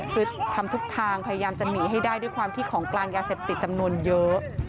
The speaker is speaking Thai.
คือทำทุกทางพยายามจะหนีให้ได้ด้วยความที่ของกลางยาเสพติดจำนวนเยอะ